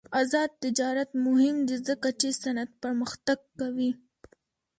آزاد تجارت مهم دی ځکه چې صنعت پرمختګ کوي.